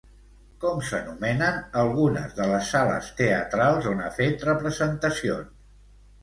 Com s'anomenen algunes de les sales teatrals on ha fet representacions?